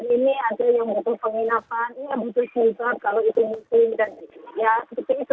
ini ada yang membutuhkan penginapan ini yang butuh juga kalau itu mungkin dan ya seperti itu